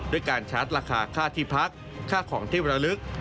ด้วยการชาร์จราคาค่าที่พักค่าของที่ระลึก